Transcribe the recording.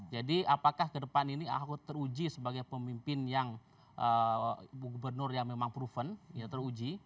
jadi apakah kedepan ini ahok teruji sebagai pemimpin yang gubernur yang memang proven ya teruji